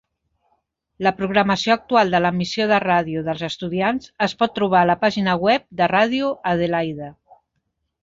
La programació actual de l'emissió de ràdio dels estudiants es pot trobar a la pàgina web de Radio Adelaide.